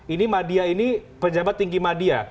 ini madya ini pejabat tinggi madya